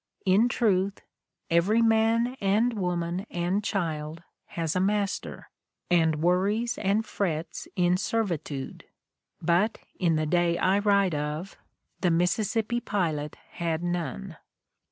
In truth, every man and woman and child has a master, and worries and frets in servitude ; but, in the day I write of, the Mississippi pilot had none."